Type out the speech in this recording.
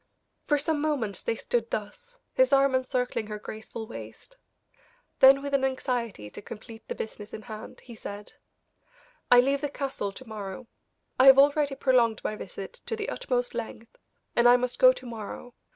For some moments they stood thus, his arm encircling her graceful waist. Then with an anxiety to complete the business in hand, he said: "I leave the Castle to morrow I have already prolonged my visit to the utmost length, and I must go to morrow.